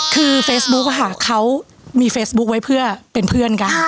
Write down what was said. คือเฟซบุ๊กค่ะเขามีเฟซบุ๊คไว้เพื่อเป็นเพื่อนกัน